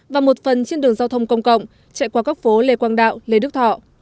và một phần trên đường giao thông công cộng chạy qua các phố lê quang đạo lê đức thọ